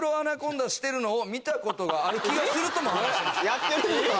やってるんすか？